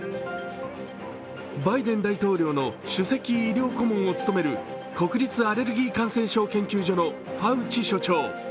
バイデン大統領の首席医療顧問を務める国立アレルギー感染症研究所のファウチ所長。